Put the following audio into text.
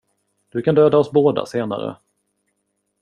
Du kan döda oss båda senare.